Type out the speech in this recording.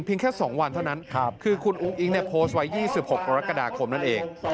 แค่๒วันเท่านั้นคือคุณอุ้งอิ๊งโพสต์ไว้๒๖กรกฎาคมนั่นเอง